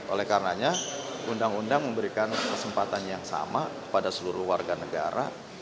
oleh karenanya undang undang memberikan kesempatan yang sama kepada seluruh warga negara